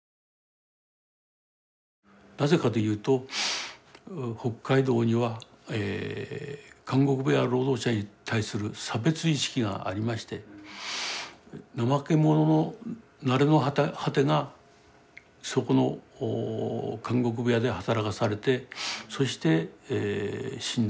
なぜかというと北海道には監獄部屋労働者に対する差別意識がありまして怠け者の成れの果てがそこの監獄部屋で働かされてそして死んだ。